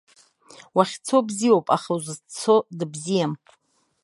Уахьцо бзиоуп, аха узыццо дыбзиам.